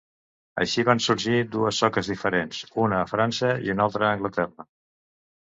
Així van sorgir dues soques diferents, una a França i una altra a Anglaterra.